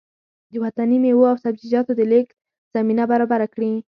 د وطني مېوو او سبزيجاتو د لېږد زمينه برابره کړي